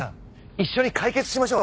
一緒に解決しましょう！